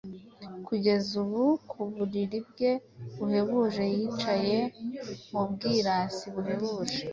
Kugeza ubu, ku buriri bwe buhebuje yicaye mu bwirasi buhebuje